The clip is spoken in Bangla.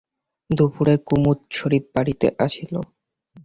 দুপুরে কুমুদ শশীর বাড়িতে আসিল।